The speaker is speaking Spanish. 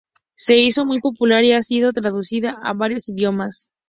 Se hizo muy popular y ha sido traducida a varios idiomas.